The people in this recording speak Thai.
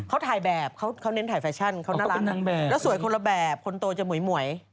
เขาถ่ายแบบเขาเน้นถ่ายแฟชั่นเขาน่ารักนางแบบแล้วสวยคนละแบบคนโตจะหมวย